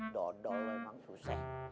dodol emang rusak